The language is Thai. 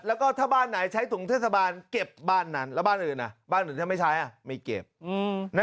แล้วก็ถ้าบ้านไหนใช้ถุงเทศบาลเก็บบ้านนั้นแล้วบ้านอื่นบ้านอื่นถ้าไม่ใช้ไม่เก็บ